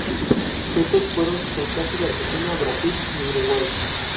Estos fueron el caso de Argentina, Brasil y Uruguay.